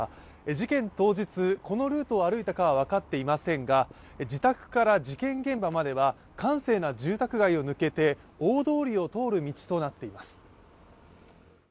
事件当日、このルートを歩いたかは分かっていませんが自宅から事件現場までは閑静な住宅街を抜けて大通りを通る道となっています。